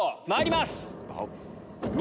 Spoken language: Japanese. まいります！